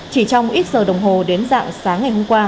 chỉ trong ít giờ đồng hồ đến dạng sáng ngày hôm qua